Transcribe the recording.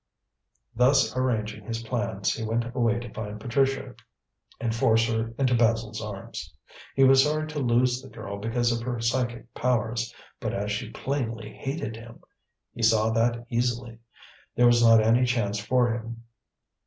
Thus arranging his plans, he went away to find Patricia, and force her into Basil's arms. He was sorry to lose the girl because of her psychic powers, but as she plainly hated him he saw that easily there was not any chance for him.